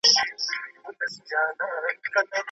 د ښځي په غاړې کي د سپینو زرو امیل و.